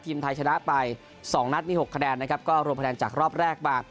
ทีมไทยชนะไป๒นัดมี๖คะแนนนะครับก็รวมคะแนนจากรอบแรกมา